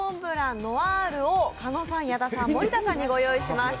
ノワールを狩野さん、矢田さん、森田さんにご用意しました。